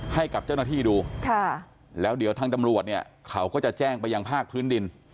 ให้กับเจ้าหน้าที่ดูค่ะแล้วเดี๋ยวทางตำรวจเนี่ยเขาก็จะแจ้งไปยังภาคพื้นดิน